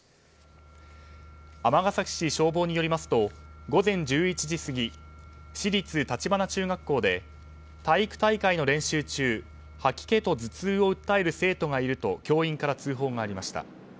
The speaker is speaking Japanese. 尼崎市消防によりますと午前１１時過ぎ市立立花中学校で体育大会の練習中吐き気と頭痛を訴える生徒がいると教員から通報がありました。